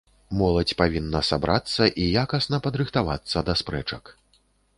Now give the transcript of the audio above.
Моладзь павінна сабрацца і якасна падрыхтавацца да спрэчак.